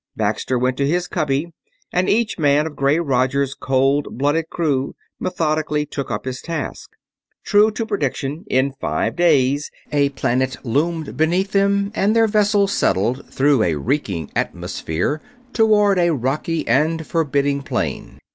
Baxter went to his own cubby, and each man of gray Roger's cold blooded crew methodically took up his task. True to prediction, in five days a planet loomed beneath them and their vessel settled through a reeking atmosphere toward a rocky and forbidding plain.